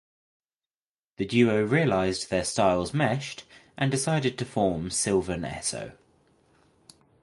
The duo realized their styles meshed and decided to form Sylvan Esso.